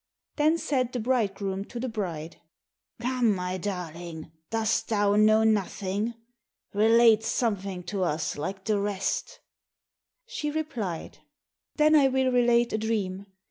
Then said the bridegroom to the bride, "Come, my darling, dost thou know nothing? Relate something to us like the rest." She replied, "Then I will relate a dream.